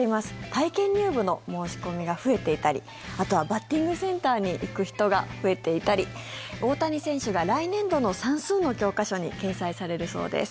体験入部の申し込みが増えていたりあとは、バッティングセンターに行く人が増えていたり大谷選手が来年度の算数の教科書に掲載されるそうです。